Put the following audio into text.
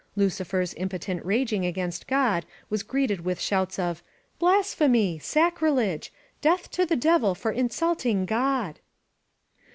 Lucifer's impo tent raging against God was greeted with shouts of "Blasphemy! Sacrilege! Death to the Devil for in sulting God